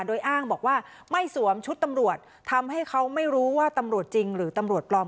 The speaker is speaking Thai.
โดยอ้างบอกว่าไม่สวมชุดตำรวจทำให้เขาไม่รู้ว่าตำรวจจริงหรือตำรวจปลอม